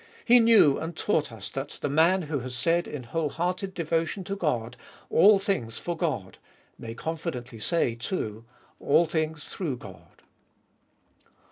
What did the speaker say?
He knew and taught us that the man who has said in whole hearted devotion to God, " All things for God," may confidently say too, " All things through God."